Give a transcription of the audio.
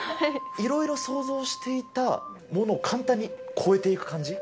いろいろ想像していたものを簡単に超えていく感じ。